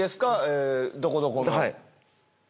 どこどこの。